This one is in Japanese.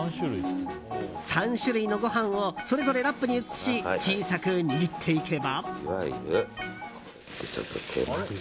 ３種類のご飯をそれぞれラップに移し小さく握っていけば。